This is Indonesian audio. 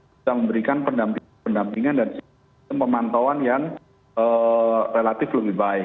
bisa memberikan pendampingan dan sistem pemantauan yang relatif lebih baik